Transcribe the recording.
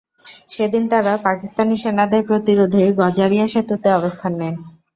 সেদিন তারা পাকিস্তানি সেনাদের প্রতিরোধে গজারিয়া সেতুতে অবস্থান নেন।